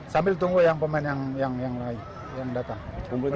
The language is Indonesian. sambil tunggu yang pemain yang datang